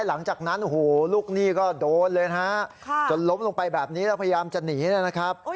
หลังจากนั้นโอ้โหลูกหนี้ก็โดนเลยนะฮะจนล้มลงไปแบบนี้แล้วพยายามจะหนีนะครับ